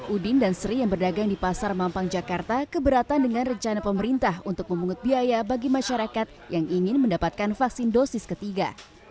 udin dan sri yang berdagang di pasar mampang jakarta keberatan dengan rencana pemerintah untuk memungut biaya bagi masyarakat yang ingin mendapatkan vaksin dosis ketiga